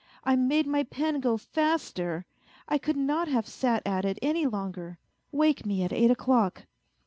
I made my pen go faster ! I could not have sat at it any longer; wake me at eight o'clock."